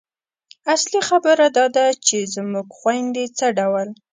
اصلي خبره دا ده چې زموږ خویندې څه ډول